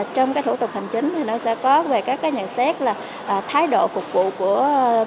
trong cái thủ tục hành chính thì nó sẽ có về các nhận xét là thái độ phục vụ của